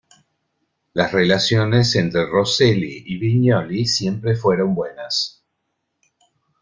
Las relaciones entre Rosselli y Vignoli siempre fueron buenas.